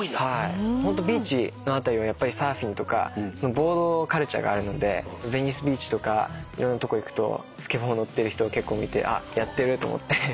ホントビーチの辺りはやっぱりサーフィンとかボードカルチャーがあるのでベニスビーチとかいろんなとこ行くとスケボー乗ってる人結構見てあっやってると思って。